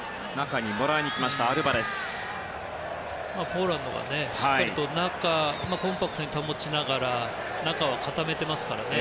ポーランドがしっかりとコンパクトに保ちながら中を固めていますからね。